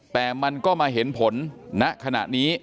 แต่มันก็มาเห็นผลณขณะนี้